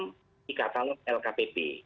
kalau kita lihat di katalog lkpp